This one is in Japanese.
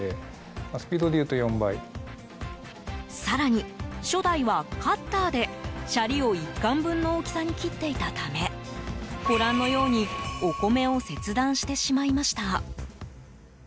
更に、初代はカッターでシャリを１貫分の大きさに切っていたためご覧のようにお米を切断してしまいました。